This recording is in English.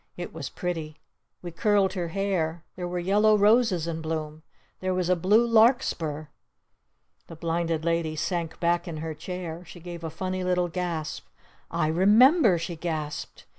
It was pretty! We curled her hair! There were yellow roses in bloom! There was a blue larkspur! " The Blinded Lady sank back in her chair. She gave a funny little gasp. "I remember!" she gasped.